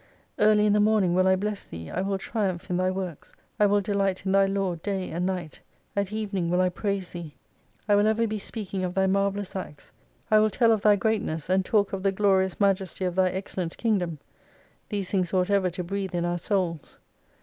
Early in the morning will I bless Thee, I will triumph in Thy works, I will delight in Thy law day and night ; at evening will I praise Thee. I will ever be speaking of Thy marvellous acts, I will tell of Thy greatness, and talk of the glorious majesty of Thy excellent Kingdom ; these things ought ever to breathe in our souls.